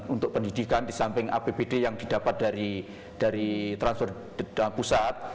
untuk pendidikan di samping apbd yang didapat dari transfer pusat